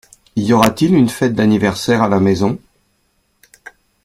Y aura-t-il une fête d’anniversaire à la maison ?